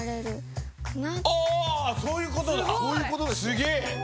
すげえ！